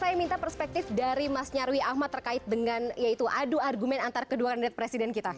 saya minta perspektif dari mas nyarwi ahmad terkait dengan yaitu adu argumen antara kedua kandidat presiden kita